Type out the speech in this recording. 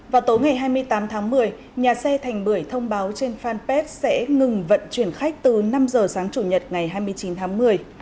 vào tối ngày hai mươi tám tháng một mươi nhà xe thành bưởi thông báo trên fanpage sẽ ngừng vận chuyển khách từ năm giờ sáng chủ nhật ngày hai mươi chín tháng một mươi